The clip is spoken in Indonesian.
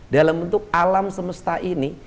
dalam bentuk alam semesta ini